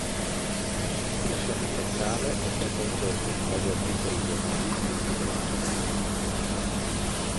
L'espressione facciale è stata oggetto di vari articoli giornalistici e scientifici.